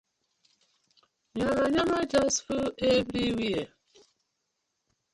Yamayama just full everywhere.